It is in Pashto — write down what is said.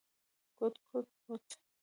_کوټ، کوټ ، کوټ…